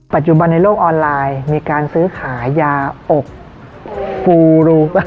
ปัจจุบันในโลกออนไลน์มีการซื้อขายยาอกฟูรูปะ